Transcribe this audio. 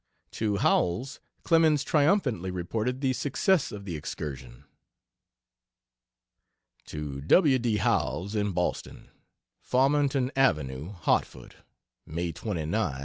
To Howells, Clemens triumphantly reported the success of the excursion. To W. D. Howells, in Boston: FARMINGTON AVENUE, HARTFORD, May 29, 1877.